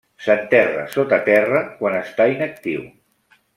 S'enterra sota terra quan està inactiu.